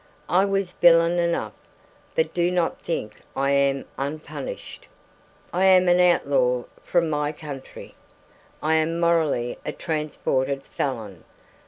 I was villain enough, but do not think I am unpunished. "I am an outlaw from my country. I am morally a transported felon.